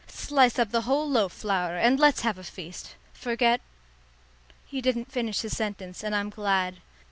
"Slice up the whole loaf, Flower, and let's have a feast. Forget " He didn't finish his sentence, and I'm glad.